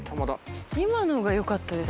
今のがよかったです。